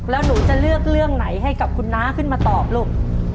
แล้วหนูจะเลือกเรื่องไหนให้กับคุณน้าขึ้นมาตอบลูก